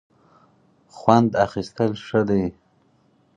خوند اخیستل ښه دی.